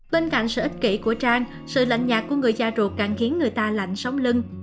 bên cạnh sự ích kỷ của trang sự lạnh nhạt của người cha ruột càng khiến người ta lạnh sống lưng